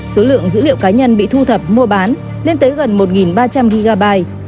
số lượng dữ liệu cá nhân bị thu thập mua bán lên tới gần một ba trăm linh rgby